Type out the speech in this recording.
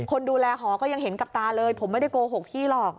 คนดูแลหอก็ยังเห็นกับตาเลยผมไม่ได้โกหกพี่หรอก